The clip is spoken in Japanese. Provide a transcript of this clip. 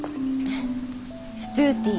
ストゥーティー。